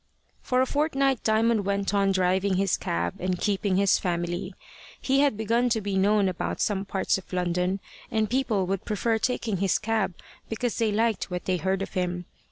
For a fortnight Diamond went on driving his cab, and keeping his family. He had begun to be known about some parts of London, and people would prefer taking his cab because they liked what they heard of him.